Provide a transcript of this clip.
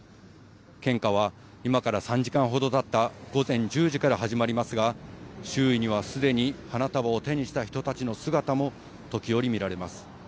献花は今から３時間ほどたった午前１０時から始まりますが、周囲にはすでに花束を手にした人たちの姿も時折見られます。